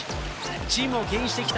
チームをけん引してきた